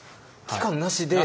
期間なしで。